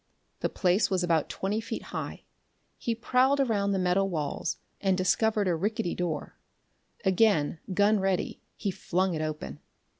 The place was about twenty feet high. He prowled around the metal walls and discovered a rickety door. Again, gun ready, he flung it open.